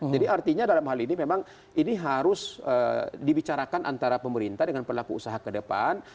jadi artinya dalam hal ini memang ini harus dibicarakan antara pemerintah dengan pelaku usaha ke depan